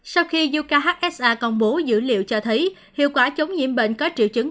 sau khi jukha công bố dữ liệu cho thấy hiệu quả chống nhiễm bệnh có triệu chứng